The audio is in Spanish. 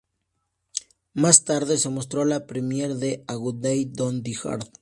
Más tarde, se mostró la premiere de "A Good Day to Die Hard".